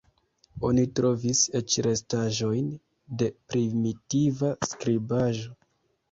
Oni trovis eĉ restaĵojn de primitiva skribaĵo.